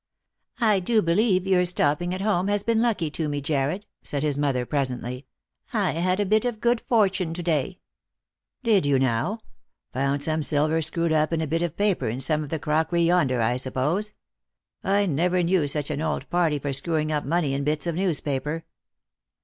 " I do believe your stopping at home has been lucky to me, Jarred," said his mother presently. " I had a bit of good fortune to day." Lost for Love. 307 " Did yon now ? Found some silver screwed up in a bit of paper in some of the crockery yonder, I suppose. I never knew such an old party for screwing up money in bits of newspaper."